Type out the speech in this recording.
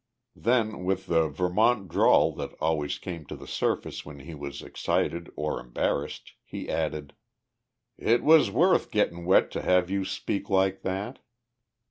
Then, with the Vermont drawl that always came to the surface when he was excited or embarrassed, he added: "It was worth gettin' wet to have you speak like that."